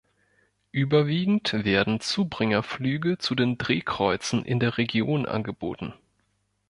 Überwiegend werden Zubringerflüge zu den Drehkreuzen in der Region angeboten.